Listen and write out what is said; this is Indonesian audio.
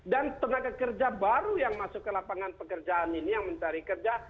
dan tenaga kerja baru yang masuk ke lapangan pekerjaan ini yang mencari kerja